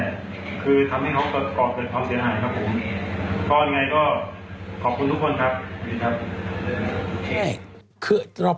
ก็เอาไงก็ขอบคุณผู้นครับ